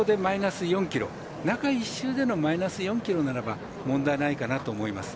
中１週でのマイナス４ｋｇならば問題ないかなと思います。